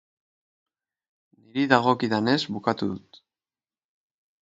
Niri dagokidanez, bukatu dut.